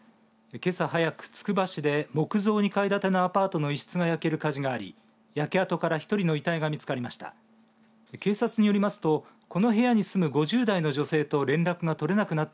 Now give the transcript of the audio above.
けさ早くつくば市で木造２階建てのアパートの一室が焼ける火事があり焼け跡から１人の遺体が見つかりました。